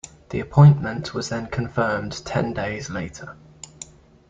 The appointment was then confirmed ten days later.